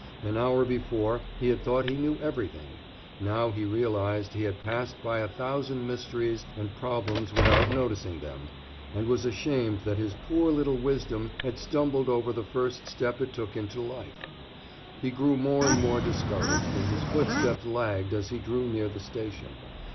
An hour before he had thought he knew everything. Now he realized he had passed by a thousand mysteries and problems without noticing them, and was ashamed that his poor little wisdom had stumbled over the first step it took into life. He grew more and more discouraged, and his footsteps lagged as he drew near the station.